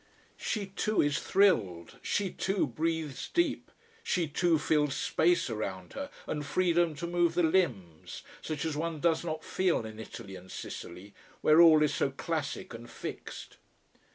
She too is thrilled. She too breathes deep. She too feels space around her, and freedom to move the limbs: such as one does not feel in Italy and Sicily, where all is so classic and fixed.